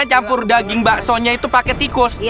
dia campur daging bakso nya itu pake tikus